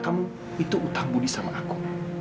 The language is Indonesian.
kamu itu utah budi sama aku